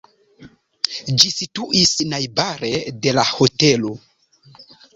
Ĝi situis najbare de la hotelo.